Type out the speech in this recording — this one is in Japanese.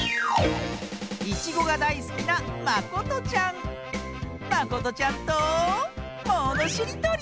いちごがだいすきなまことちゃんとものしりとり！